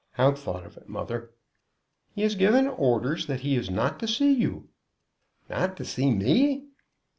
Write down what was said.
"How thought of it, mother?" "He has given orders that he is not to see you." "Not to see me!"